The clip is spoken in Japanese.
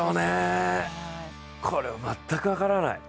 これは全く分からない。